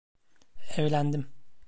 Evlendim.